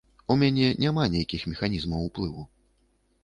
У мяне няма нейкіх механізмаў уплыву.